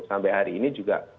sampai hari ini juga